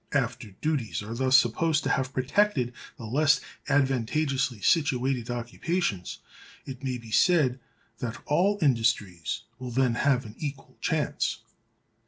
After duties are thus supposed to have protected the less advantageously situated occupations, it may be said that all industries will then have an equal chance.